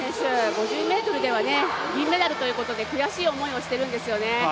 ５０ｍでは銀メダルということで悔しい思いをしてるんですよね。